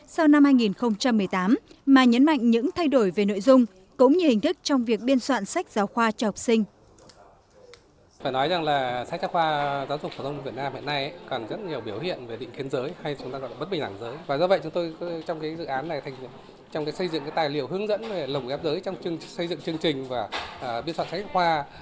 sau năm hai nghìn một mươi tám mà nhấn mạnh những thay đổi về nội dung cũng như hình thức trong việc biên soạn sách giáo khoa cho học sinh